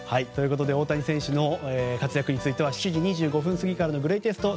大谷選手の活躍については７時２５分過ぎからのグレイテスト